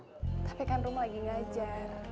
tapi kan rumah lagi ngajar